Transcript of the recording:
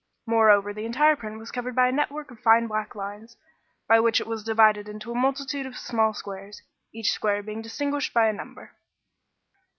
Moreover, the entire print was covered by a network of fine black lines, by which it was divided into a multitude of small squares, each square being distinguished by a number.